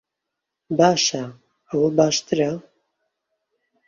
باشە، ئەوە باشترە؟